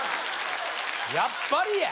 やっぱりや！